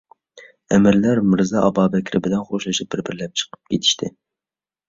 ئەمىرلەر مىرزا ئابابەكرى بىلەن خوشلىشىپ بىر-بىرلەپ چىقىپ كېتىشتى.